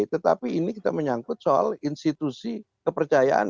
tetapi ini kita menyangkut soal institusi kepercayaan